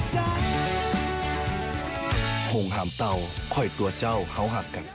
ห่วงหามเตาค่อยตัวเจ้าเขาหักกัน